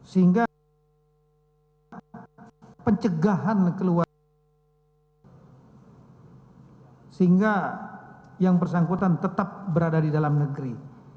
sehingga pencegahan keluarga sehingga yang bersangkutan tetap berada di dalam negeri